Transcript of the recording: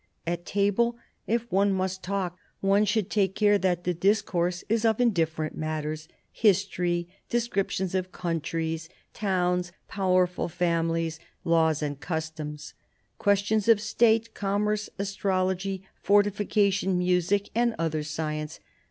"... At table, if one must talk, one should take care that the discourse is of indifferent matters; history; descriptions of countries ; towns ; powerful families ; laws and customs. Questions of State, commerce, astrology, fortification, music and other science